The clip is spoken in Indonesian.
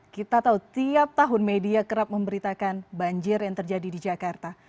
kita tahu tiap tahun media kerap memberitakan banjir yang terjadi di jakarta